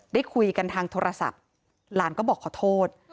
ได้คุยกันทางโทรศัพท์หลานก็บอกขอโทษ